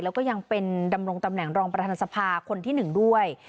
แล้วก็ยังเป็นดำรงตำแหน่งรองประธานสภาคนที่๑ด้วย